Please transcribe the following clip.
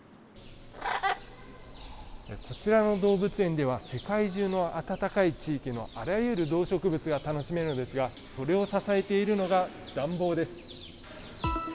こちらの動物園では世界中の暖かい地域のあらゆる動植物が楽しめるのですが、それを支えているのが、暖房です。